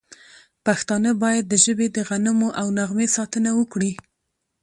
پښتانه باید د ژبې د غنمو او نغمې ساتنه وکړي.